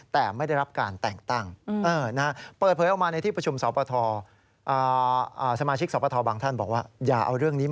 แต่ไม่ได้รับการแต่งตั้ง